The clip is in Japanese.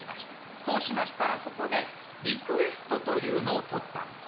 そうしましたらそこでリクエストというのを取ったんですね。